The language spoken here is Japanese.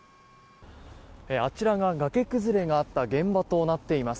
あちらが崖崩れがあった現場となっています。